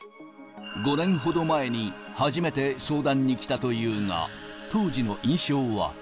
５年ほど前に初めて相談に来たというが、当時の印象は？